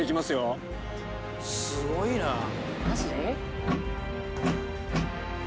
すごいな。